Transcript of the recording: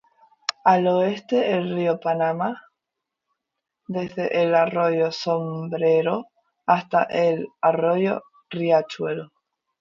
Al oeste el río Paraná desde el arroyo Sombrero hasta el arroyo Riachuelo.